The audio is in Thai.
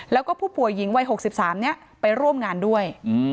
แล้วก็ผู้ผัวหญิงวัยหกสิบสามเนี้ยไปร่วมงานด้วย